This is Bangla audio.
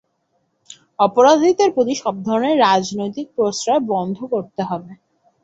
অপরাধীদের প্রতি সব ধরনের রাজনৈতিক প্রশ্রয় বন্ধ করতে হবে।